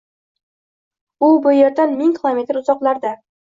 u bu yerdan ming kilometrlar uzoqda.